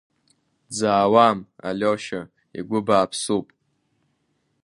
Дзаауам, Алиошьа игәы бааԥсуп…